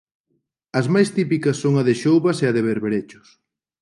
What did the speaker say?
As máis típicas son a de xoubas e a de berberechos.